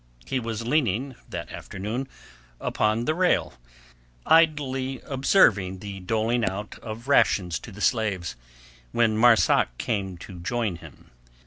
He was leaning that afternoon upon the rail, idly observing the doling out of the rations to the slaves, when Marzak came to join him.